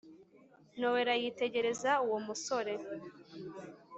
nowela yitegereza uwomusore